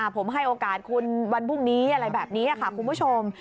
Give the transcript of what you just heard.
ผมให้โอกาสคุณวันพรุ่งนี้อะไรแบบนี้ค่ะคุณผู้ชม